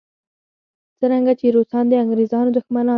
څرنګه چې روسان د انګریزانو دښمنان دي.